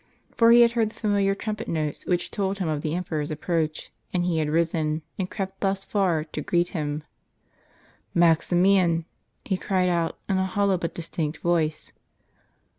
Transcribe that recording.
For he had heard the familiar trumpet notes, which told him of the emperor's approach, and he had risen, and crept thus far, to greet him.* " Maximian !" he cried out, in a hollow but distinct voice.